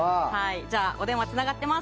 じゃあお電話つながってます。